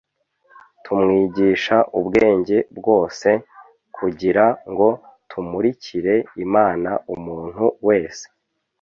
tumwigisha ubwenge bwose; kugira ngo tumurikire Imana umuntu wese,